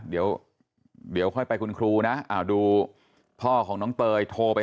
เดี๋ยวเดี๋ยวค่อยไปคุณครูนะดูพ่อของน้องเตยโทรไป